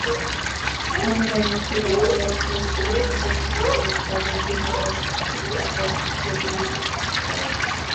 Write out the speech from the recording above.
অনুপম একটি বাতাবরণ তৈরিতে তরুণ-তরুণীরা তাদের জীবনের সুন্দর ইচ্ছেটি বিনিয়োগ করেন।